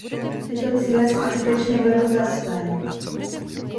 Tyto cíle si skutečně beru za své.